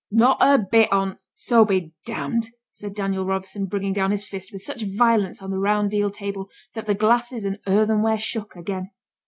'Not a bit on't so be d d!' said Daniel Robson, bringing down his fist with such violence on the round deal table, that the glasses and earthenware shook again.